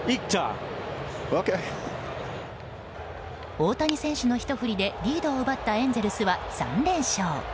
大谷選手のひと振りでリードを奪ったエンゼルスは３連勝。